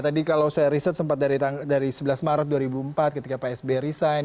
tadi kalau saya riset sempat dari sebelas maret dua ribu empat ketika pak sby resign